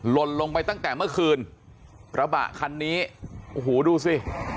ลนลงไปตั้งแต่เมื่อคืนกระบะคันนี้โอ้โหดูสิ